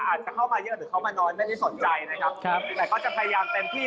อาจจะเข้ามาเยอะหรือเข้ามานอนไม่ได้สนใจนะครับแต่ก็จะพยายามเต็มที่